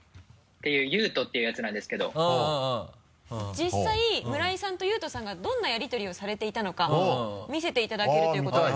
実際村井さんと悠人さんがどんなやりとりをされていたのか見せていただけるということで。